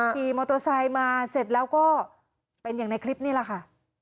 ขี่มอเตอร์ไซค์มาเสร็จแล้วก็เป็นอย่างในคลิปนี่แหละค่ะ